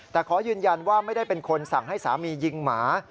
แต่ขอยืนยันว่าไม่ได้เป็นคนสั่งให้สามียิงหมา